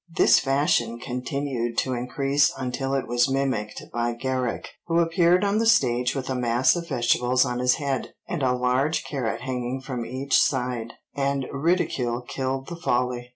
This fashion continued to increase until it was mimicked by Garrick, who appeared on the stage with a mass of vegetables on his head, and a large carrot hanging from each side, and ridicule killed the folly.